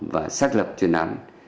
và xác lập chuyên án